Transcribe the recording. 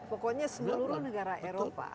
pokoknya seluruh negara eropa